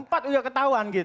empat sudah ketahuan gitu